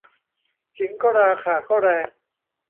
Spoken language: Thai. ขิงก็ราข่าก็แรง